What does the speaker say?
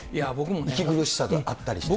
息苦しさがあったりして。